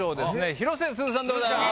広瀬すずさんでございます。